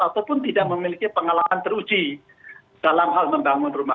ataupun tidak memiliki pengalaman teruji dalam hal membangun rumah